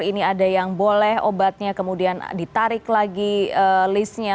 ini ada yang boleh obatnya kemudian ditarik lagi listnya